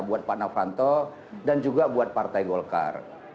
buat pak novanto dan juga buat partai golkar